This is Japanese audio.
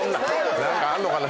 何かあんのかな？